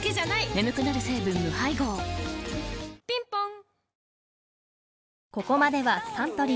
眠くなる成分無配合ぴんぽん